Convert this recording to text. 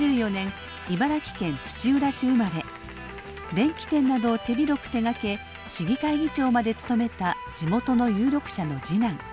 電器店などを手広く手がけ市議会議長まで務めた地元の有力者の次男。